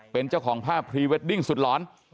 เป็นเจ้าของภาพพรีเวดดิ้งสุดหลอน